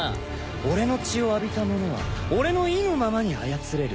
俺の血を浴びたものは俺の意のままに操れる。